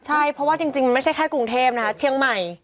ใช่เพราะว่าจริงมันไม่ใช่แค่กรุงเทพนะคะเชียงใหม่